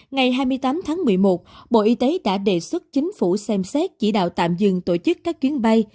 ngày hai mươi tám tháng một mươi một bộ y tế đã đề xuất chính phủ xem xét chỉ đạo tạm dừng tổ chức các chuyến bay